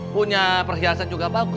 punya perhiasan juga bagus